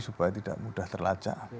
supaya tidak mudah terlaca